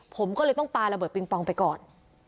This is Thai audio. ผมก็เลยต้องปลาระเบิดปิงปองไปก่อน